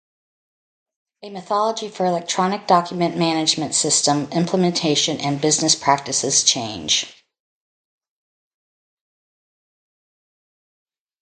A Methodology for Electronic Document Man- agement System Implementation and Business Practices Change.